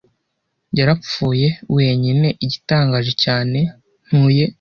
Yarapfuye. Wenyine, igitangaje cyane, Ntuye.